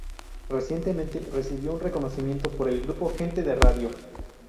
Recientemente, recibió un reconocimiento por el grupo "Gente de Radio".